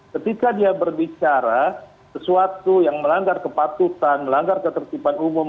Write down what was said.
ketika dia berbicara sesuatu yang melanggar kepatutan melanggar ketertiban umum